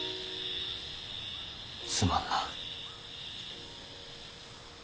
すまんな。